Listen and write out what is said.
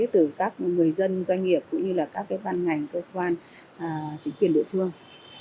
từ các người dân doanh nghiệp cũng như là các ban ngành cơ quan chính quyền địa phương